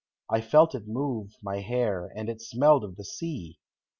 I felt it move my hair, and it smelled of the sea.